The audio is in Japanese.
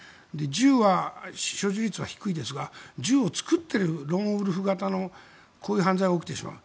銃は所持率は低いですが銃を作っているローンウルフ型のこういう犯罪が起きてしまう。